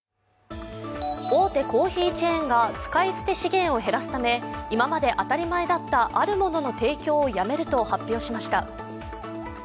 大手コーヒーチェーンが使い捨て資源を減らすため今まで当たり前だったあるものの提供をやめると発表しました。